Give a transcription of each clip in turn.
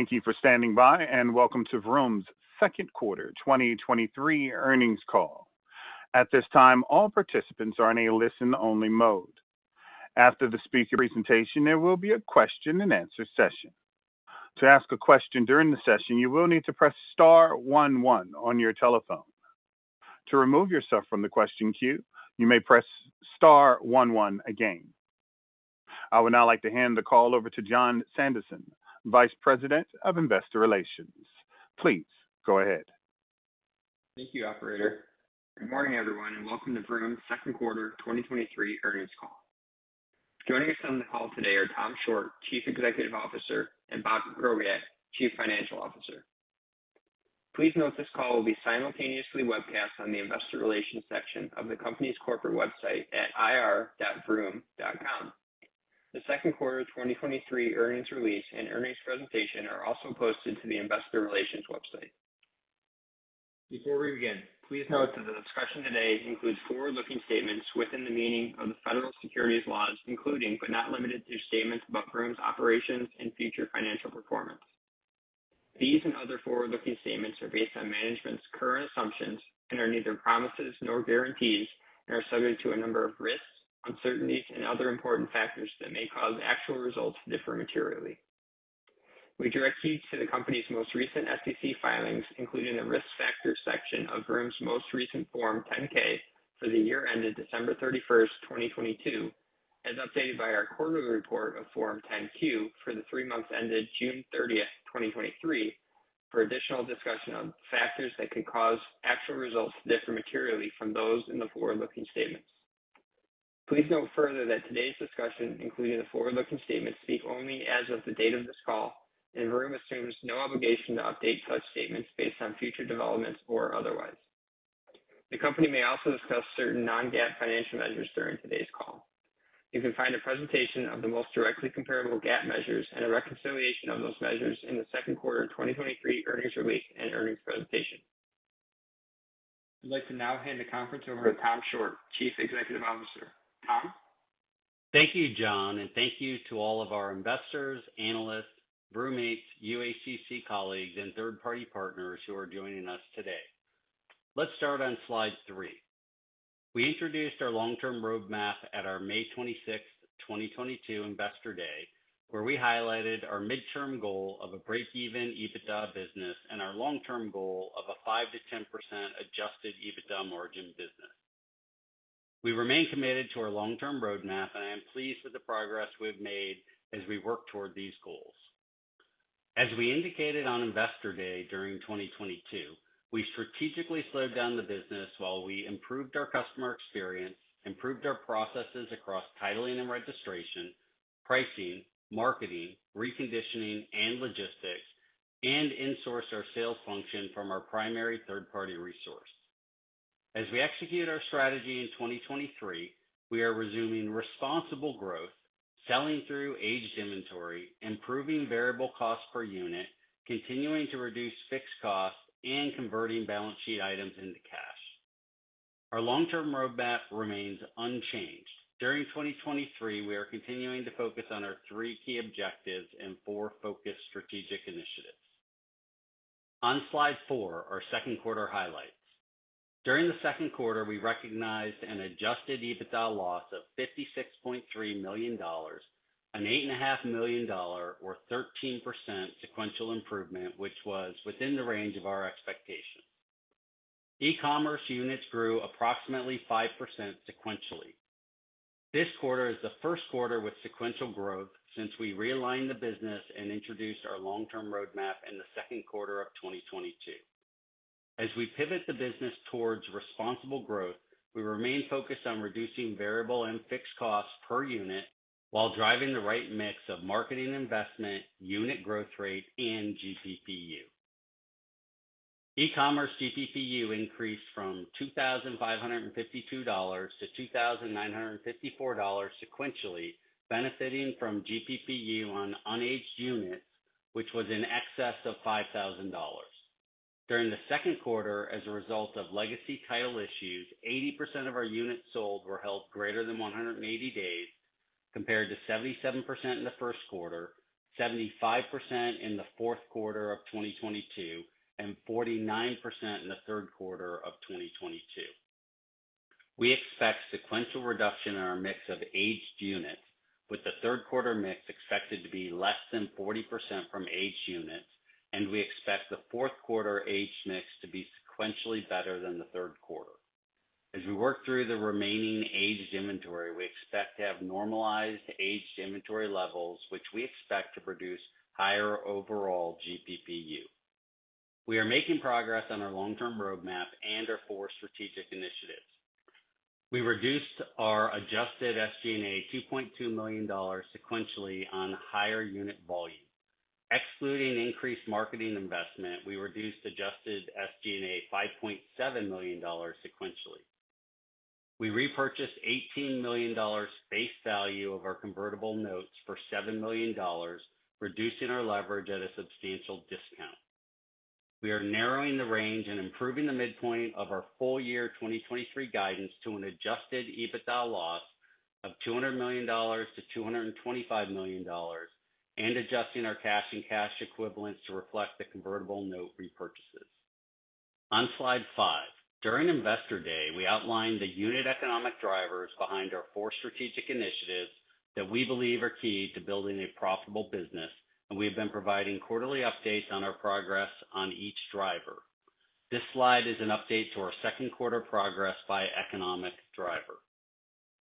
Thank you for standing by, and welcome to Vroom's Q2 2023 earnings call. At this time, all participants are in a listen-only mode. After the speaker presentation, there will be a question-and-answer session. To ask a question during the session, you will need to press star one-one on your telephone. To remove yourself from the question queue, you may press star one-one again. I would now like to hand the call over to Jon Sandison, Vice President of Investor Relations. Please go ahead. Thank you, operator. Good morning, everyone, and welcome to Vroom's Q2 2023 earnings call. Joining us on the call today are Tom Shortt, CEO, and Bob Krakowiak, CFO. Please note this call will be simultaneously webcast on the investor relations section of the company's corporate website at ir.vroom.com. The Q2 of 2023 earnings release and earnings presentation are also posted to the investor relations website. Before we begin, please note that the discussion today includes forward-looking statements within the meaning of the federal securities laws, including but not limited to statements about Vroom's operations and future financial performance. These and other forward-looking statements are based on management's current assumptions and are neither promises nor guarantees and are subject to a number of risks, uncertainties, and other important factors that may cause actual results to differ materially. We direct you to the company's most recent SEC filings, including the Risk Factors section of Vroom's most recent Form 10-K for the year ended December 31st, 2022, as updated by our quarterly report of Form 10-Q for the three months ended June 30th, 2023, for additional discussion on factors that could cause actual results to differ materially from those in the forward-looking statements. Please note further that today's discussion, including the forward-looking statements, speak only as of the date of this call, and Vroom assumes no obligation to update such statements based on future developments or otherwise. The company may also discuss certain non-GAAP financial measures during today's call. You can find a presentation of the most directly comparable GAAP measures and a reconciliation of those measures in the Q2 of 2023 earnings release and earnings presentation. I'd like to now hand the conference over to Tom Shortt, CEO. Tom? Thank you, Jon, and thank you to all of our investors, analysts, Vroommates, UACC colleagues, and third-party partners who are joining us today. Let's start on slide 3. We introduced our long-term roadmap at our 26 May 2022 Investor Day, where we highlighted our midterm goal of a break-even EBITDA business and our long-term goal of a 5-10% adjusted EBITDA margin business. We remain committed to our long-term roadmap, and I am pleased with the progress we've made as we work toward these goals. As we indicated on Investor Day during 2022, we strategically slowed down the business while we improved our customer experience, improved our processes across titling and registration, pricing, marketing, reconditioning, and logistics, and insourced our sales function from our primary third-party resource. As we execute our strategy in 2023, we are resuming responsible growth, selling through aged inventory, improving variable costs per unit, continuing to reduce fixed costs, and converting balance sheet items into cash. Our long-term roadmap remains unchanged. During 2023, we are continuing to focus on our three key objectives and four focused strategic initiatives. On slide 4, our Q2 highlights. During the Q2, we recognized an adjusted EBITDA loss of $56.3 million, an $8.5 million, or 13% sequential improvement, which was within the range of our expectations. E-commerce units grew approximately 5% sequentially. This quarter is the Q1 with sequential growth since we realigned the business and introduced our long-term roadmap in the Q2 of 2022. As we pivot the business towards responsible growth, we remain focused on reducing variable and fixed costs per unit while driving the right mix of marketing investment, unit growth rate, and GPPU. E-commerce GPPU increased from $2,552-2,954 sequentially, benefiting from GPPU on unaged units, which was in excess of $5,000. During the Q2, as a result of legacy title issues, 80% of our units sold were held greater than 180 days, compared to 77% in the Q1, 75% in the Q4 of 2022, and 49% in the Q3 of 2022. We expect sequential reduction in our mix of aged units, with the Q3 mix expected to be less than 40% from aged units. We expect the Q4 aged mix to be sequentially better than the Q3. As we work through the remaining aged inventory, we expect to have normalized aged inventory levels, which we expect to produce higher overall GPPU. We are making progress on our long-term roadmap and our four strategic initiatives. We reduced our adjusted SG&A $2.2 million sequentially on higher unit volume. Excluding increased marketing investment, we reduced adjusted SG&A $5.7 million sequentially. We repurchased $18 million face value of our convertible notes for $7 million, reducing our leverage at a substantial discount. We are narrowing the range and improving the midpoint of our full year 2023 guidance to an adjusted EBITDA loss of $200 million-225 million, adjusting our cash and cash equivalents to reflect the convertible note repurchases. On Slide 5, during Investor Day, we outlined the unit economic drivers behind our four strategic initiatives that we believe are key to building a profitable business, we've been providing quarterly updates on our progress on each driver. This slide is an update to our Q2 progress by economic driver.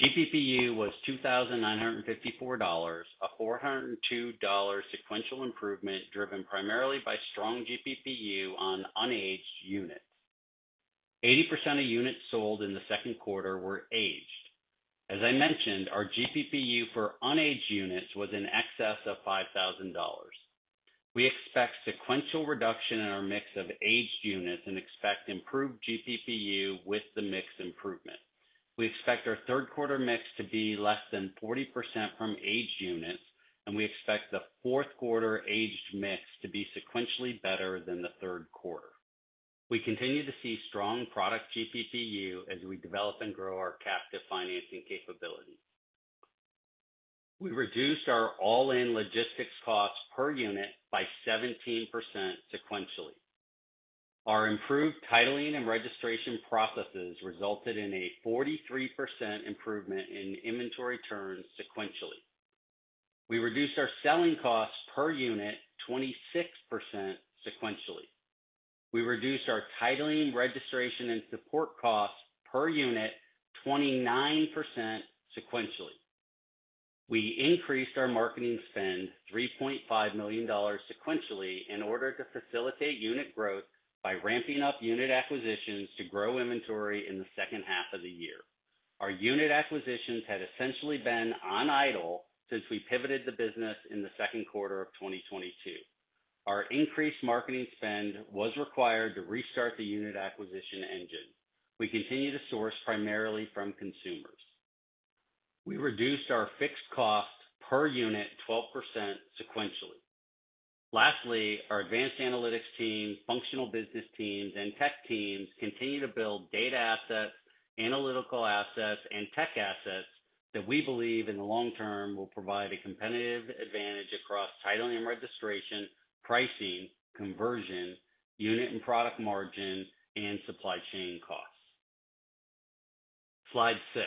GPPU was $2,954, a $402 sequential improvement, driven primarily by strong GPPU on unaged units. 80% of units sold in the Q2 were aged. As I mentioned, our GPPU for unaged units was in excess of $5,000. We expect sequential reduction in our mix of aged units and expect improved GPPU with the mix improvement. We expect our Q3 mix to be less than 40% from aged units, and we expect the Q4 aged mix to be sequentially better than the Q3. We continue to see strong product GPPU as we develop and grow our captive financing capability. We reduced our all-in logistics costs per unit by 17% sequentially. Our improved titling and registration processes resulted in a 43% improvement in inventory turns sequentially. We reduced our selling costs per unit 26% sequentially. We reduced our titling, registration, and support costs per unit 29% sequentially. We increased our marketing spend $3.5 million sequentially in order to facilitate unit growth by ramping up unit acquisitions to grow inventory in the second half of the year. Our unit acquisitions had essentially been on idle since we pivoted the business in the Q2 of 2022. Our increased marketing spend was required to restart the unit acquisition engine. We continue to source primarily from consumers. We reduced our fixed cost per unit 12% sequentially. Lastly, our advanced analytics team, functional business teams, and tech teams continue to build data assets, analytical assets, and tech assets that we believe in the long term, will provide a competitive advantage across titling and registration, pricing, conversion, unit and product margin, and supply chain costs. Slide 6.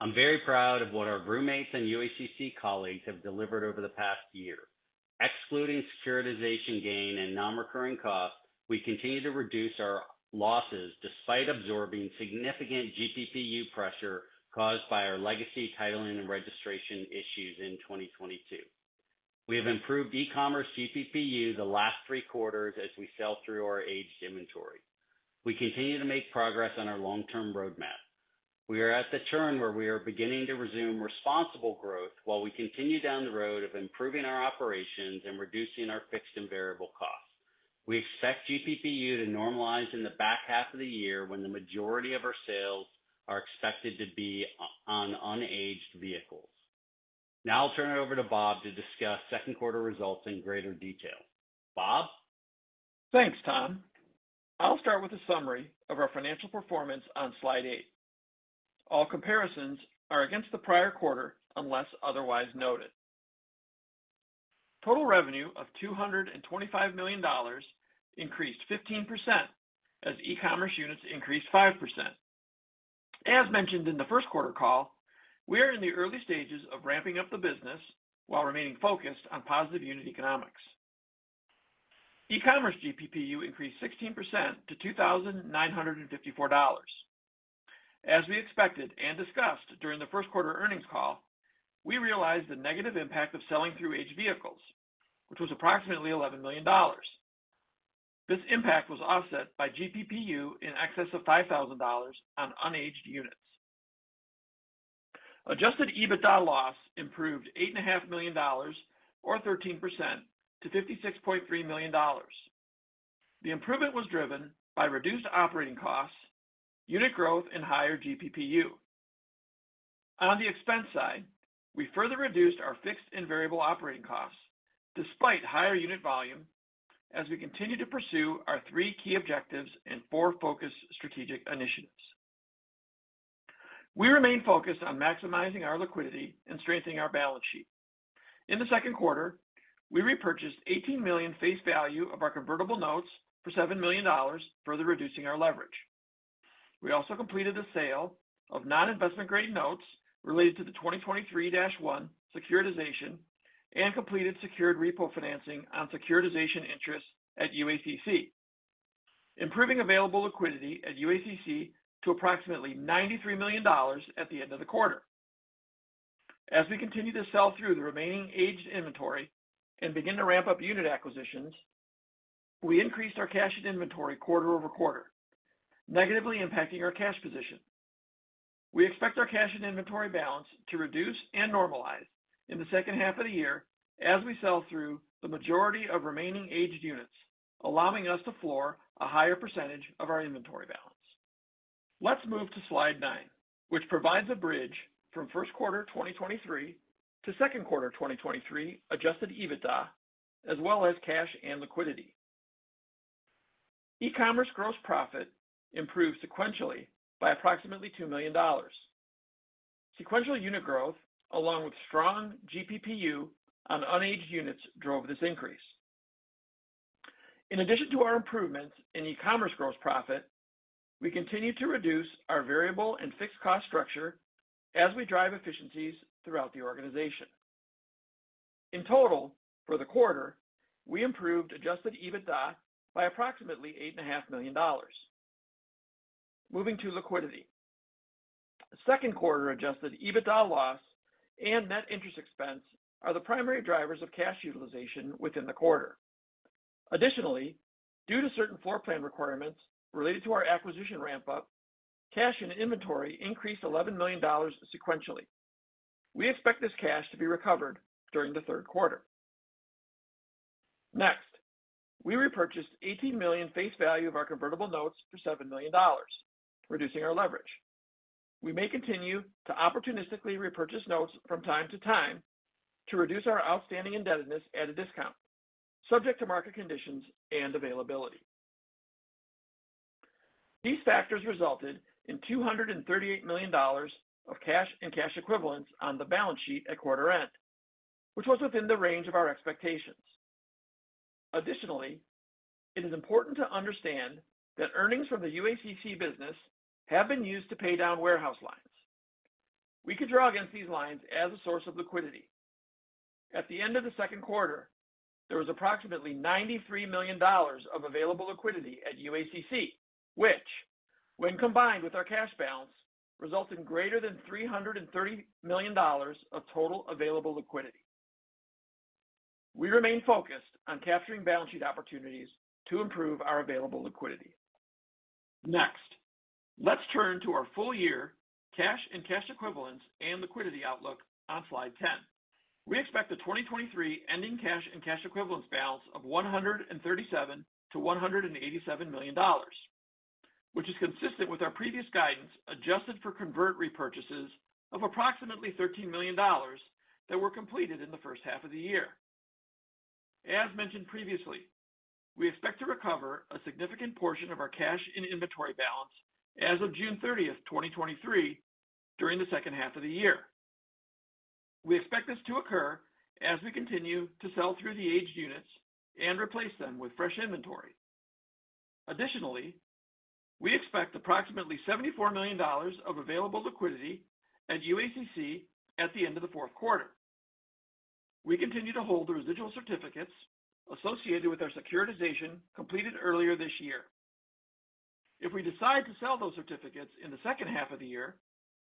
I'm very proud of what our Vroommates and UACC colleagues have delivered over the past year. Excluding securitization gain and non-recurring costs, we continue to reduce our losses despite absorbing significant GPPU pressure caused by our legacy titling and registration issues in 2022. We have improved e-commerce GPPU the last three quarters as we sell through our aged inventory. We continue to make progress on our long-term roadmap. We are at the turn where we are beginning to resume responsible growth while we continue down the road of improving our operations and reducing our fixed and variable costs. We expect GPPU to normalize in the back half of the year, when the majority of our sales are expected to be on, on unaged vehicles. Now I'll turn it over to Bob to discuss 2Q results in greater detail. Bob? Thanks, Tom. I'll start with a summary of our financial performance on slide 8. All comparisons are against the prior quarter, unless otherwise noted. Total revenue of $225 million increased 15%, as e-commerce units increased 5%. As mentioned in the Q1 call, we are in the early stages of ramping up the business while remaining focused on positive unit economics. E-commerce GPPU increased 16% to $2,954. As we expected and discussed during the Q1 earnings call, we realized the negative impact of selling through aged vehicles, which was approximately $11 million. This impact was offset by GPPU in excess of $5,000 on unaged units. Adjusted EBITDA loss improved $8.5 million, or 13% to $56.3 million. The improvement was driven by reduced operating costs, unit growth, and higher GPPU. On the expense side, we further reduced our fixed and variable operating costs despite higher unit volume, as we continue to pursue our three key objectives and four focus strategic initiatives. We remain focused on maximizing our liquidity and strengthening our balance sheet. In the Q2, we repurchased 18 million face value of our convertible notes for $7 million, further reducing our leverage. We also completed the sale of non-investment grade notes related to the 2023-1 securitization and completed secured repo financing on securitization interests at UACC, improving available liquidity at UACC to approximately $93 million at the end of the quarter. As we continue to sell through the remaining aged inventory and begin to ramp up unit acquisitions, we increased our cash and inventory quarter-over-quarter, negatively impacting our cash position. We expect our cash and inventory balance to reduce and normalize in the second half of the year as we sell through the majority of remaining aged units, allowing us to floor a higher percentage of our inventory balance. Let's move to slide 9, which provides a bridge from Q1 2023 to Q2 2023 adjusted EBITDA, as well as cash and liquidity. E-commerce gross profit improved sequentially by approximately $2 million. Sequential unit growth, along with strong GPPU on unaged units, drove this increase. In addition to our improvements in e-commerce gross profit, we continue to reduce our variable and fixed cost structure as we drive efficiencies throughout the organization. In total, for the quarter, we improved adjusted EBITDA by approximately $8.5 million. Moving to liquidity. Q2 adjusted EBITDA loss and net interest expense are the primary drivers of cash utilization within the quarter. Additionally, due to certain floor plan requirements related to our acquisition ramp-up, cash and inventory increased $11 million sequentially. We expect this cash to be recovered during the Q3. Next, we repurchased 18 million face value of our convertible notes for $7 million, reducing our leverage. We may continue to opportunistically repurchase notes from time to time to reduce our outstanding indebtedness at a discount, subject to market conditions and availability. These factors resulted in $238 million of cash and cash equivalents on the balance sheet at quarter end, which was within the range of our expectations. Additionally, it is important to understand that earnings from the UACC business have been used to pay down warehouse lines. We could draw against these lines as a source of liquidity. At the end of the Q2, there was approximately $93 million of available liquidity at UACC, which, when combined with our cash balance, results in greater than $330 million of total available liquidity. We remain focused on capturing balance sheet opportunities to improve our available liquidity. Next, let's turn to our full year cash and cash equivalents and liquidity outlook on slide 10. We expect the 2023 ending cash and cash equivalents balance of $137 million-187 million, which is consistent with our previous guidance, adjusted for convert repurchases of approximately $13 million that were completed in the H1 of the year. As mentioned previously, we expect to recover a significant portion of our cash and inventory balance as of 30 June 2023, during the second half of the year. We expect this to occur as we continue to sell through the aged units and replace them with fresh inventory. Additionally, we expect approximately $74 million of available liquidity at UACC at the end of the Q4. We continue to hold the residual certificates associated with our securitization completed earlier this year. If we decide to sell those certificates in the second half of the year,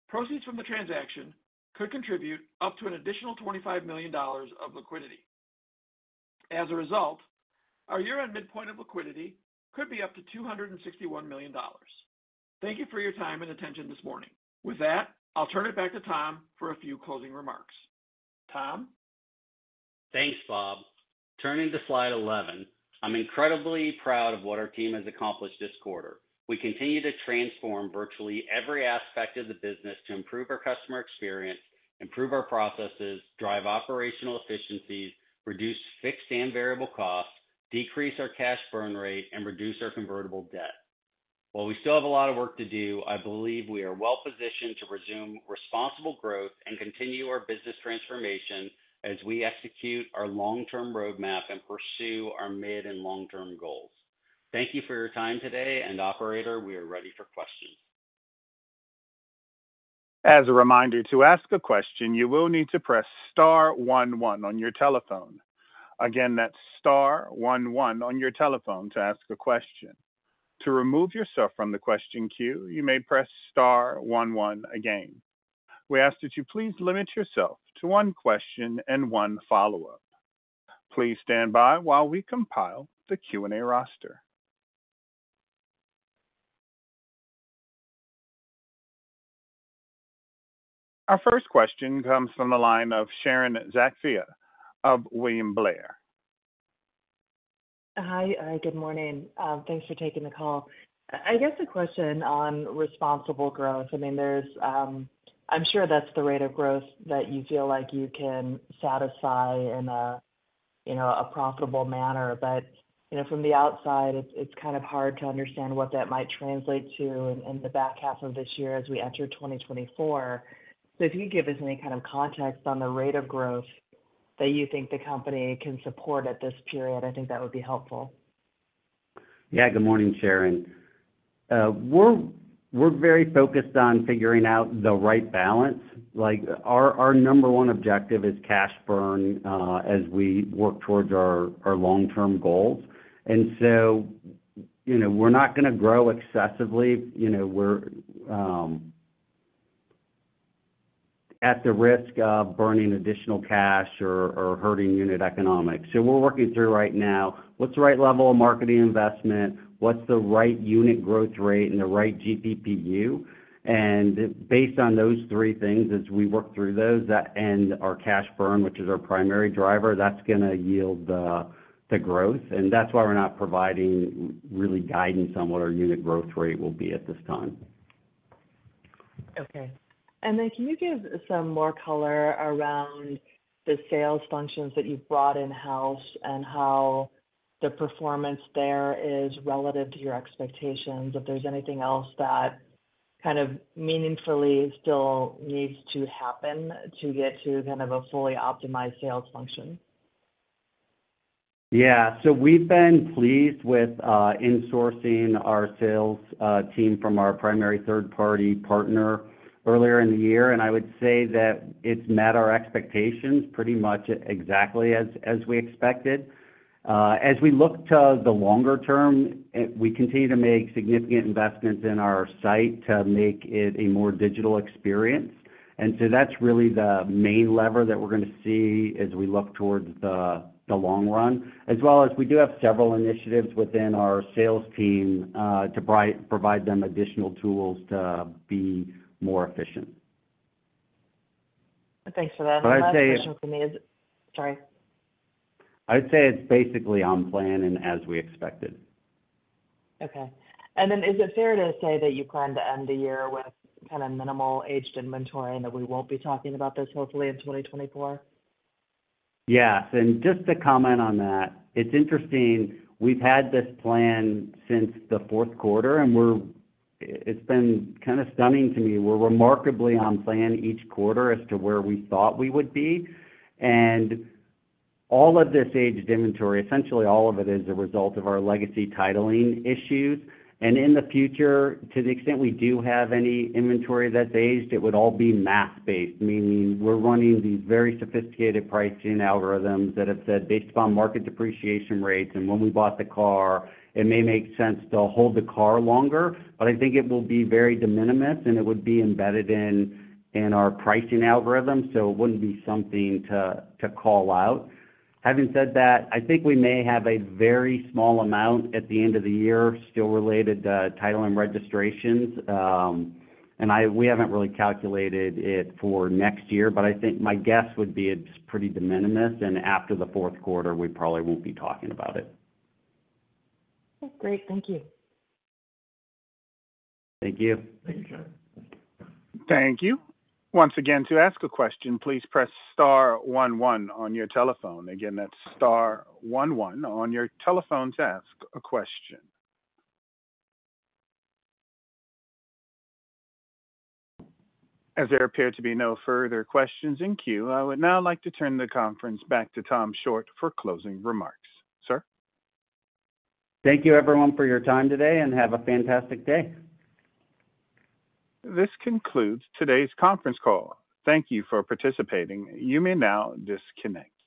proceeds from the transaction could contribute up to an additional $25 million of liquidity. As a result, our year-end midpoint of liquidity could be up to $261 million. Thank you for your time and attention this morning. With that, I'll turn it back to Tom for a few closing remarks. Tom? Thanks, Bob. Turning to slide 11, I'm incredibly proud of what our team has accomplished this quarter. We continue to transform virtually every aspect of the business to improve our customer experience, improve our processes, drive operational efficiencies, reduce fixed and variable costs, decrease our cash burn rate, and reduce our convertible debt. While we still have a lot of work to do, I believe we are well positioned to resume responsible growth and continue our business transformation as we execute our long-term roadmap and pursue our mid- and long-term goals. Thank you for your time today, and operator, we are ready for questions. As a reminder, to ask a question, you will need to press star one one on your telephone. Again, that's star one one on your telephone to ask a question. To remove yourself from the question queue, you may press star one one again. We ask that you please limit yourself to one question and one follow-up. Please stand by while we compile the Q&A roster. Our first question comes from the line of Sharon Zackfia of William Blair. Hi, good morning. Thanks for taking the call. I guess a question on responsible growth. I mean, there's, I'm sure that's the rate of growth that you feel like you can satisfy in a, you know, a profitable manner. You know, from the outside, it's, it's kind of hard to understand what that might translate to in, in the back half of this year as we enter 2024. If you could give us any kind of context on the rate of growth that you think the company can support at this period, I think that would be helpful. Yeah. Good morning, Sharon Zackfia. We're, we're very focused on figuring out the right balance. Like, our, our number one objective is cash burn, as we work towards our, our long-term goals. You know, we're not gonna grow excessively, you know, we're at the risk of burning additional cash or, or hurting unit economics. So we're working through right now, what's the right level of marketing investment? What's the right unit growth rate and the right GPPU? Based on those three things, as we work through those, that and our cash burn, which is our primary driver, that's gonna yield the, the growth, and that's why we're not providing really guidance on what our unit growth rate will be at this time. Okay. Then can you give some more color around the sales functions that you've brought in-house and how the performance there is relative to your expectations, if there's anything else that kind of meaningfully still needs to happen to get to kind of a fully optimized sales function? Yeah. We've been pleased with insourcing our sales team from our primary third-party partner earlier in the year, and I would say that it's met our expectations pretty much exactly as, as we expected. As we look to the longer term, we continue to make significant investments in our site to make it a more digital experience. That's really the main lever that we're gonna see as we look towards the, the long run, as well as we do have several initiatives within our sales team to provide them additional tools to be more efficient. Thanks for that. I'd say- Last question for me is... Sorry. I'd say it's basically on plan and as we expected. Okay. Is it fair to say that you plan to end the year with kind of minimal aged inventory, and that we won't be talking about this hopefully in 2024? Just to comment on that, it's interesting, we've had this plan since the Q4, it's been kind of stunning to me. We're remarkably on plan each quarter as to where we thought we would be. All of this aged inventory, essentially all of it, is a result of our legacy titling issues. In the future, to the extent we do have any inventory that's aged, it would all be math-based, meaning we're running these very sophisticated pricing algorithms that have said, based on market depreciation rates and when we bought the car, it may make sense to hold the car longer. I think it will be very de minimis, and it would be embedded in, in our pricing algorithm, so it wouldn't be something to, to call out. Having said that, I think we may have a very small amount at the end of the year still related to title and registrations, and we haven't really calculated it for next year, but I think my guess would be it's pretty de minimis, and after the Q4, we probably won't be talking about it. Great. Thank you. Thank you. Thank you, Jon. Thank you. Once again, to ask a question, please press star one, one on your telephone. Again, that's star one, one on your telephone to ask a question. As there appear to be no further questions in queue, I would now like to turn the conference back to Tom Shortt for closing remarks. Sir? Thank you, everyone, for your time today, and have a fantastic day. This concludes today's conference call. Thank you for participating. You may now disconnect.